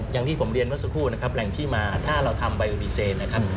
อย่างที่ผมเรียนเมื่อสักครู่นะครับแหล่งที่มาถ้าเราทำใบวีเซนนะครับ